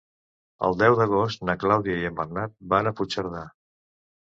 El deu d'agost na Clàudia i en Bernat van a Puigcerdà.